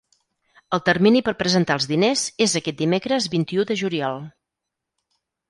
El termini per presentar els diners és aquest dimecres, vint-i-u de juliol.